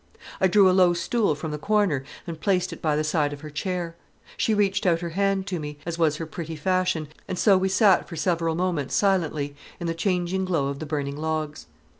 I drew a low stool from the corner and placed it by the side of her chair. She reached out her hand to me, as was her pretty fashion, and so we sat for several moments silently in the changing glow of the burning logs.